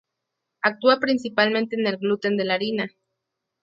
Actúa principalmente en el gluten de la harina.